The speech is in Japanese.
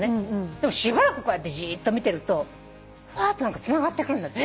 でもしばらくこうやってじっと見てるとふわっと何かつながってくるんだって。